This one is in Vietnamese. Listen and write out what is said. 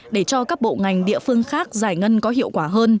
để cho các bộ ngành địa phương khác giải ngân có hiệu quả hơn